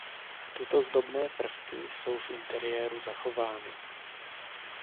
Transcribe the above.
Tyto zdobné prvky jsou v interiéru zachovány.